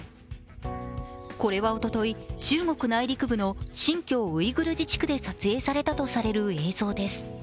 これはおととい、中国内陸部の新疆ウイグル自治区で撮影されたとされる映像です。